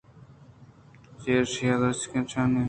چرایشی ءَ آ درٛچکانی شاہاں مان اڑ یت